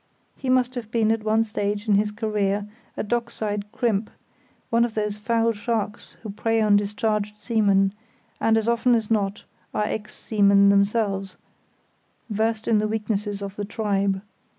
He must have been at one stage in his career a dock side crimp, one of those foul sharks who prey on discharged seamen, and as often as not are ex seamen themselves, versed in the weaknesses of the tribe.